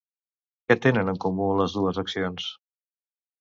Què tenen en comú les dues accions?